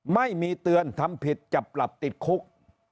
ไม่มีเตือนทำผิดจับปรับติดคุก